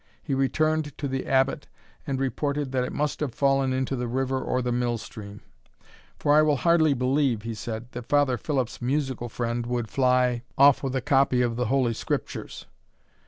He returned to the Abbot, and reported that it must have fallen into the river or the mill stream; "for I will hardly believe," he said, "that Father Philip's musical friend would fly off with a copy of the Holy Scriptures."